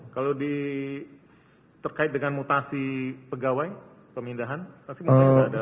kalau di terkait dengan mutasi pegawai pemindahan saksi mungkin ada